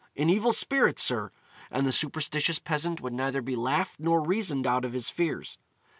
'An evil spirit, sir.' And the superstitious peasant would neither be laughed nor reasoned out of his fears.